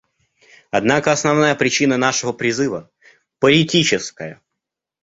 Однако основная причина нашего призыва — политическая.